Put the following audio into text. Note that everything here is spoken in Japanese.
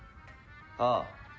ああ。